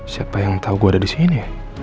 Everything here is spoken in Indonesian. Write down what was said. siapa yang tau gue ada disini